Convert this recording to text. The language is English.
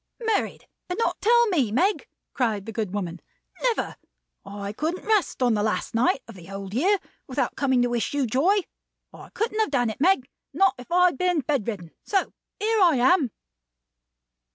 "Married, and not tell me, Meg!" cried the good woman. "Never! I couldn't rest on the last night of the Old Year without coming to wish you joy. I couldn't have done it, Meg. Not if I had been bed ridden. So here I am."